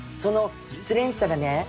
失恋したらね